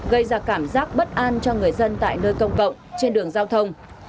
gây ra cảm giác bất an cho người dân tại nơi công cộng trên đường giao thông